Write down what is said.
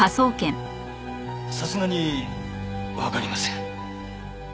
さすがにわかりません。